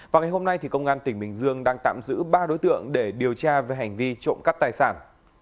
vào ngày hôm nay công an tỉnh bình dương đang tạm giữ ba đối tượng để điều tra về hành vi trộm cắp tài sản